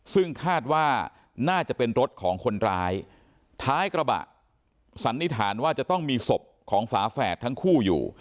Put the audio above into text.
ซึ่งคาดว่าน่าจะเป็นรถของคนร้ายท้ายกระบะสันนิษฐานว่าจะต้องมีศพของฝาแฝดทั้งคู่อยู่